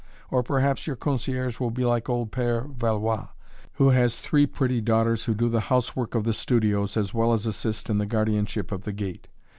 Or perhaps your concierge will be like old Père Valois, who has three pretty daughters who do the housework of the studios, as well as assist in the guardianship of the gate.